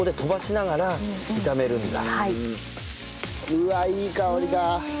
うわあいい香りだ！